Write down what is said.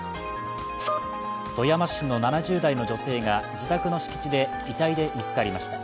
富山市の７０代の女性が自宅の敷地で遺体で見つかりました。